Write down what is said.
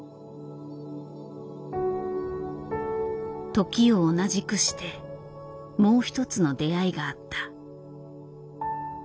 時を同じくしてもう一つの出会いがあった。